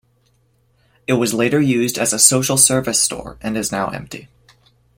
It was later used as a social services store and is now empty.